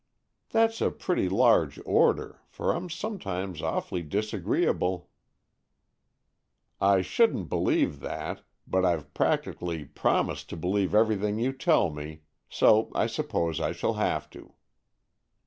"That's a pretty large order, for I'm sometimes awfully disagreeable." "I shouldn't believe that, but I've practically promised to believe everything you tell me, so I suppose I shall have to."